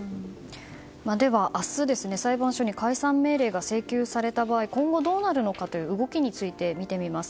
では明日、裁判所に解散命令が請求された場合今後どうなるのか動きについて見てみます。